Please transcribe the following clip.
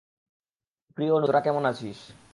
প্রিয় অনুদি, তোরা কেমন আছিস?